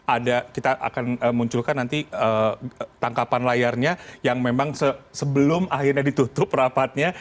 ada kita akan munculkan nanti tangkapan layarnya yang memang sebelum akhirnya ditutup rapatnya